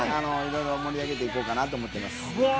盛り上げていこうかなと思ってます。